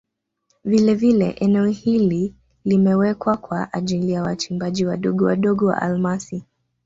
Vilevile eneo hili limewekwa kwa ajili ya wachimbaji wadogo wadogo wa almasi